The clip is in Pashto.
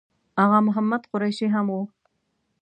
آغا محمد قریشي هم و.